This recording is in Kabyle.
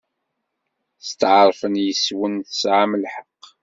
Steɛṛfeɣ yes-wen tesɛam lḥeqq.